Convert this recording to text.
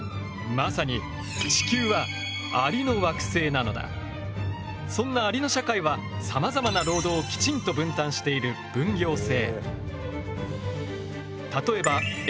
まさに地球はそんなアリの社会はさまざまな労働をきちんと分担している分業制。